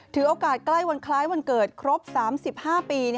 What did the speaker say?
ถือโอกาสใกล้วันคล้ายวันเกิดครบ๓๕ปี